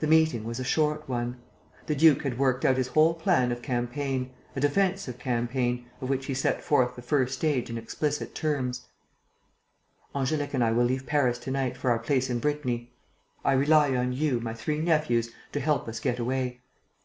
The meeting was a short one. The duke had worked out his whole plan of campaign, a defensive campaign, of which he set forth the first stage in explicit terms: "Angélique and I will leave Paris to night for our place in Brittany. I rely on you, my three nephews, to help us get away.